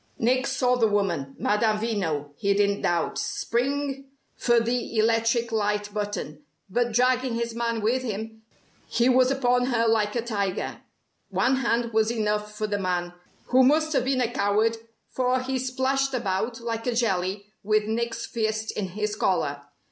Nick saw the woman, Madame Veno, he didn't doubt, spring for the electric light button, but dragging his man with him, he was upon her like a tiger. One hand was enough for the man, who must have been a coward for he splashed about like a jelly with Nick's fist in his collar.